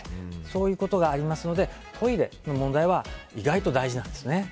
そういうことがありますのでトイレの問題は意外と大事なんですね。